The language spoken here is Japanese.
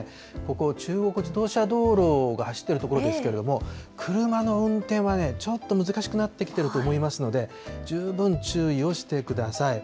ここ、中国自動車道路が走っている所ですけれども、車の運転はね、ちょっと難しくなってきてると思いますので、十分注意をしてください。